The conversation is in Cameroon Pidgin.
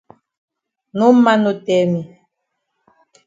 No man no tell me.